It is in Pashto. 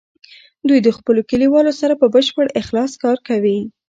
دوی د خپلو کلیوالو سره په بشپړ اخلاص کار کوي.